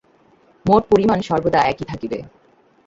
মোট পরিমাণ সর্বদা একই থাকিবে।